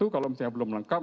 kalau misalnya belum lengkap